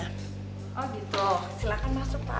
oh gitu silahkan masuk pak